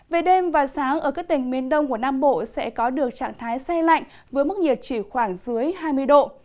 về đêm và sáng ở các tỉnh miền đông của nam bộ sẽ có được trạng thái say lạnh với mức nhiệt chỉ khoảng dưới hai mươi độ